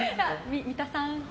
三田さん。